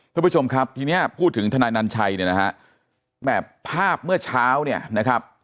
ทุกผู้ชมครับทีนี้พูดถึงทนายนันชัยแบบภาพเมื่อเช้า